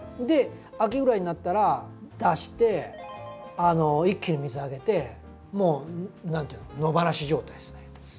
で秋ぐらいになったら出して一気に水あげてもう何て言うの野放し状態ですね。